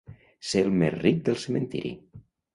Ser el més ric del cementiri.